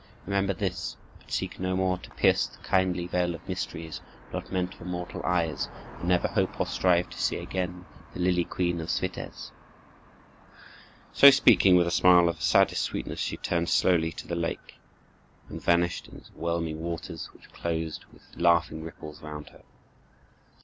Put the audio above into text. Remember this. But seek no more to pierce the kindly veil of mysteries, not meant for mortal eyes; and never hope or strive to see again the lily queen of Switez." So speaking, with a smile of saddest sweetness, she turned slowly to the lake, and vanished in its whelming waters, which closed with laughing ripples round her.